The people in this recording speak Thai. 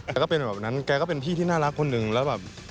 ก็เป็นแบบนั้นแกก็เป็นพี่ที่น่ารักคนหนึ่งแล้วแบบ